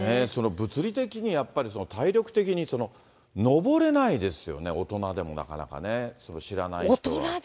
物理的にやっぱり、体力的に登れないですよね、大人でもなかなかね、知らない人は。